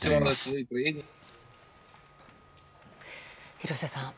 廣瀬さん。